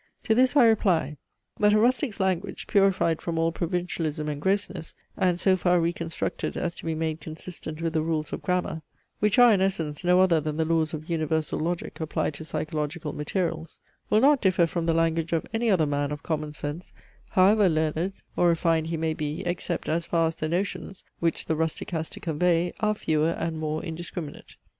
To this I reply; that a rustic's language, purified from all provincialism and grossness, and so far reconstructed as to be made consistent with the rules of grammar (which are in essence no other than the laws of universal logic, applied to psychological materials) will not differ from the language of any other man of common sense, however learned or refined he may be, except as far as the notions, which the rustic has to convey, are fewer and more indiscriminate.